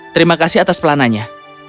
terima kasih atas pelananya